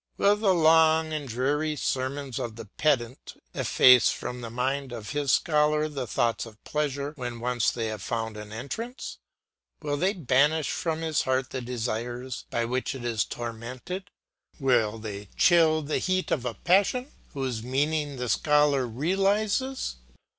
Will the long and dreary sermons of the pedant efface from the mind of his scholar the thoughts of pleasure when once they have found an entrance; will they banish from his heart the desires by which it is tormented; will they chill the heat of a passion whose meaning the scholar realises?